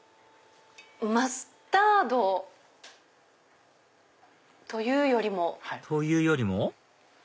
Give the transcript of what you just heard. マスタードというよりも。というよりも？